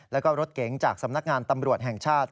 แล้วก็รถเก๋งจากสำนักงานตำรวจแห่งชาติ